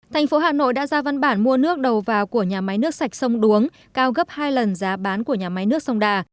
thành phố hà nội đã ra văn bản mua nước đầu vào của nhà máy nước sạch sông đuống cao gấp hai lần giá bán của nhà máy nước sông đà